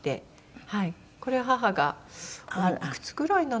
これは母がいくつくらいなのかな？